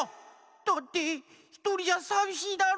だってひとりじゃさびしいだろ！